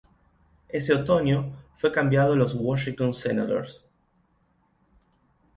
Ese otoño fue cambiado a los Washington Senators.